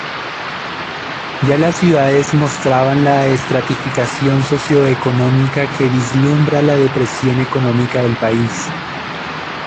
Ya las ciudades mostraban la estratificación socioeconómica que vislumbraba la depresión económica del país.